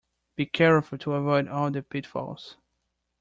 Be careful to avoid all the pitfalls.